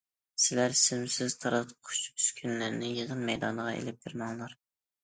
سىلەر سىمسىز تارقاتقۇچ ئۈسكۈنىلەرنى يىغىن مەيدانىغا ئېلىپ كىرمەڭلار!